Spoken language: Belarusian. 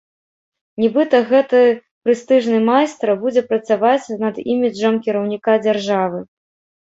Нібыта, гэты прэстыжны майстра будзе працаваць над іміджам кіраўніка дзяржавы.